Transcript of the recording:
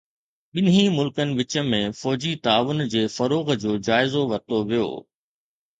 ٻنهي ملڪن وچ ۾ فوجي تعاون جي فروغ جو جائزو ورتو ويو